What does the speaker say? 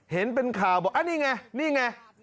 เห็นเป็นข่าวบอกอันนี้ไงนี่ไง